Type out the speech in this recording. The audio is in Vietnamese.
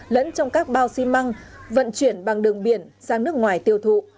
lẫn trong các bao xi măng vận chuyển bằng đường biển sang nước ngoài tiêu thụ